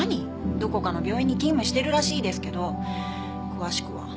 どこかの病院に勤務してるらしいですけど詳しくは。